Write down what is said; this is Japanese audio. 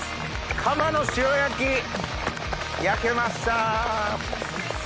カマの塩焼き焼けました。